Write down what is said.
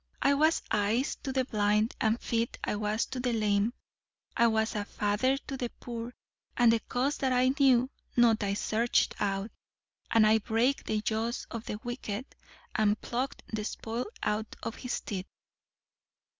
I was eyes to the blind, and feet was I to the lame. I was a father to the poor: and the cause that I knew not I searched out. And I brake the jaws of the wicked, and plucked the spoil out of his teeth.'"